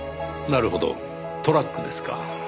なるほどトラックですか。